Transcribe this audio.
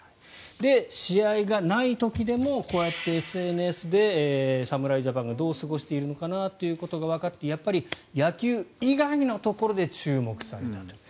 試合がない時でもこうやってＳＮＳで侍ジャパンがどう過ごしているのかなということがわかってやっぱり野球以外のところで注目されたと。